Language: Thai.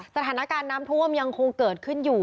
สถานการณ์น้ำท่วมยังคงเกิดขึ้นอยู่